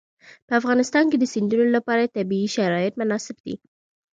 په افغانستان کې د سیندونه لپاره طبیعي شرایط مناسب دي.